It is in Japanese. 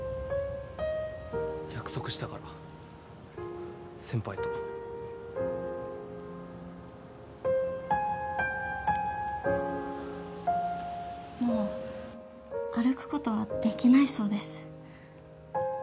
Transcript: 約束したから先輩ともう歩くことはできないそうです